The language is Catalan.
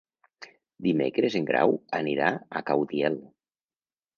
Dimecres en Grau anirà a Caudiel.